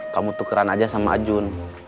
kamu tukeran aja sama ajun